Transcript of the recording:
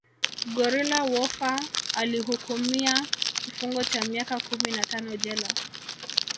Guerrilla warfar Alihukumia kifungo cha miaka kumi na tano jela